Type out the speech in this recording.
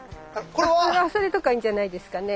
これは？それとかいいんじゃないですかね。